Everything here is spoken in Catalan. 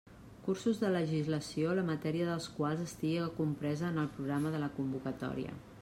Cursos de legislació la matèria dels quals estiga compresa en el programa de la convocatòria.